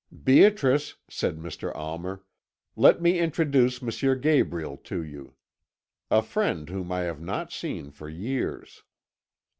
"'Beatrice,' said Mr. Almer, 'let me introduce M. Gabriel to you. A friend whom I have not seen for years.'